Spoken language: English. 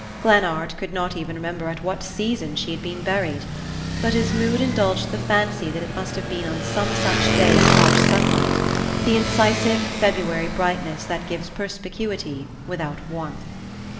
Glennard could not even remember at what season she had been buried; but his mood indulged the fancy that it must have been on some such day of harsh sunlight, the incisive February brightness that gives perspicuity without warmth.